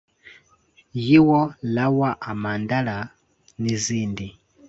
Yiwo Lawa Amandlaa n'izindi